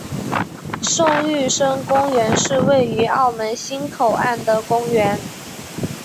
宋玉生公园是位于澳门新口岸的公园。